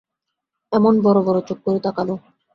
এমন বড় বড় চোখ করে তাকাল।